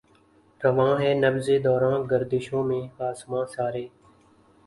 رواں ہے نبض دوراں گردشوں میں آسماں سارے